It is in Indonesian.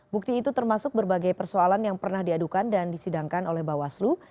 bukti itu termasuk berbagai persoalan yang pernah diadukan dan disidangkan oleh bawaslu